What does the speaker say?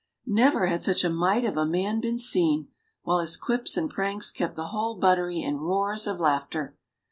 Never had such a mite of a man been seen, while his quips and pranks kept the whole buttery in roars of laughter.